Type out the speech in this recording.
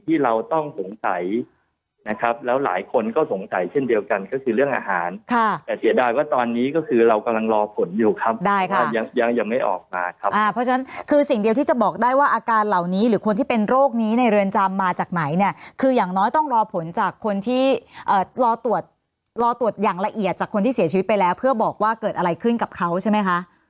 ค่ะแต่เสียดายว่าตอนนี้ก็คือเรากำลังรอผลอยู่ครับได้ค่ะยังยังยังไม่ออกมาครับอ่าเพราะฉะนั้นคือสิ่งเดียวที่จะบอกได้ว่าอาการเหล่านี้หรือคนที่เป็นโรคนี้ในเรือนจำมาจากไหนเนี่ยคืออย่างน้อยต้องรอผลจากคนที่เอ่อรอตรวจรอตรวจอย่างละเอียดจากคนที่เสียชีวิตไปแล้วเพื่อบอกว่าเกิดอะไรขึ้นกับเขาใช่ไ